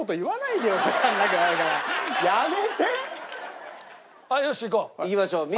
いきましょう。